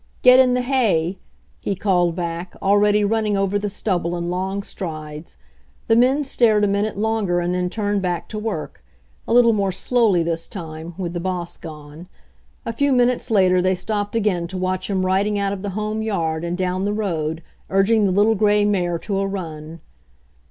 Get in the hay !" he called back, al ready running over the stubble in long strides. The men stared a minute longer and then turned back to work, a little more slowly this time, with the boss gone. A few minutes later they stopped again to watch him riding out of the home yard and down the road, urging the little gray mare to a run.